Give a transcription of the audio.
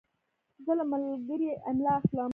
زه له ملګري املا اخلم.